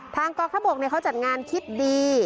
ทางกองทัพบกเนี่ยเขาจัดงานคิดดี